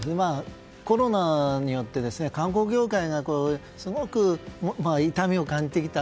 コロナによって観光業界がすごく痛みを感じてきた。